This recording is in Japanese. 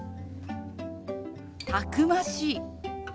「たくましい」。